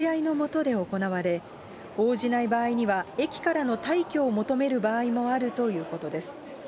検査は警察官立ち会いのもとで行われ、応じない場合には、駅からの退去を求める場合もあるということです。